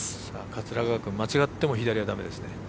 桂川君間違っても左はだめですね。